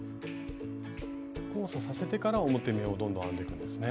交差させてから表目をどんどん編んでいくんですね。